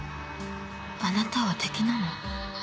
あなたは敵なの？